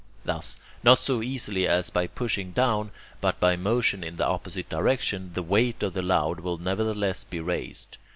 Thus, not so easily as by pushing down, but by motion in the opposite direction, the weight of the load will nevertheless be raised.